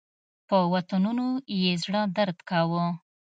په وطنونو یې زړه درد کاوه.